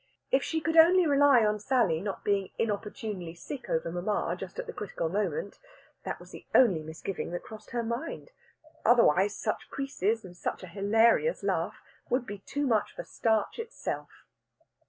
If she could only rely on Sally not being inopportunely sick over mamma just at the critical moment that was the only misgiving that crossed her mind. Otherwise, such creases and such a hilarious laugh would be too much for starch itself.